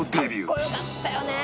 「かっこ良かったよね」